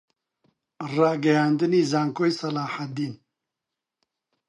ڕاگەیاندنی زانکۆی سەلاحەددین